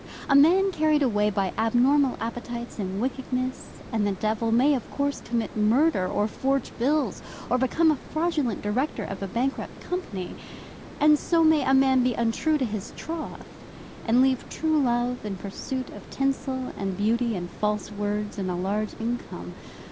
A man carried away by abnormal appetites, and wickedness, and the devil, may of course commit murder, or forge bills, or become a fraudulent director of a bankrupt company. And so may a man be untrue to his troth, and leave true love in pursuit of tinsel, and beauty, and false words, and a large income.